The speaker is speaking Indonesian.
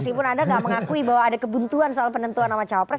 meskipun anda nggak mengakui bahwa ada kebuntuan soal penentuan nama cawapres